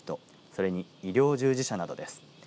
それに、医療従事者などです。